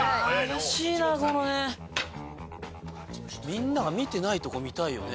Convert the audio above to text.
みんなが見てないとこ見たいよね。